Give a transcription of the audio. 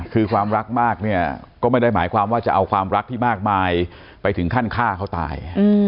คือความรักมากเนี่ยก็ไม่ได้หมายความว่าจะเอาความรักที่มากมายไปถึงขั้นฆ่าเขาตาย